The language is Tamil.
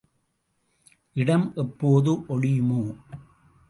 இடம் எப்போது ஒழியுமோ?